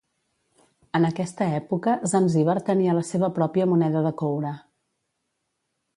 En aquesta època Zanzíbar tenia la seva pròpia moneda de coure.